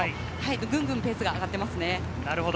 ぐんぐんペースが上がっていますね。